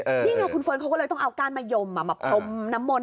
นี่ไงคุณเฟิร์นเขาก็เลยต้องเอาก้านมะยมมาพรมน้ำมนต